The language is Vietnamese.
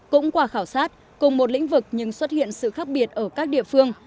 cũng qua khảo sát cùng một lĩnh vực nhưng xuất hiện sự khác biệt ở các địa phương